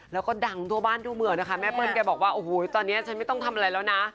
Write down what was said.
แล้วก็ดังทั่วบ้านทั่วเมืองนะคะแม่เปิ้ลแกบอกว่าโอ้โหตอนนี้ฉันไม่ต้องทำอะไรแล้วนะ